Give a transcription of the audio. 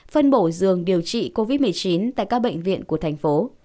phân bổ giường điều trị covid một mươi chín tại các bệnh viện của thành phố